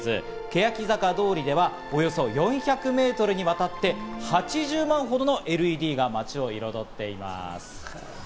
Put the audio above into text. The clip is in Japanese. けやき坂通りでは、およそ４００メートルにわたって８０万ほどのＬＥＤが街を彩っています。